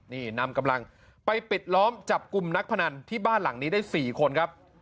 นี่นำกำลังไปปิดล้อมจับกลุ่มนักพนันที่บ้านหลังนี้ได้๔คนครับ